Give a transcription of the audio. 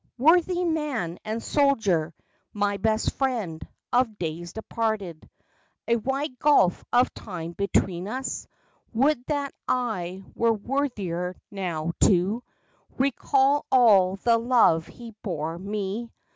worthy man and soldier, My best friend! of days departed: A wide gulf of time between us— Would that I were worthier now to Recall all the love he bore me.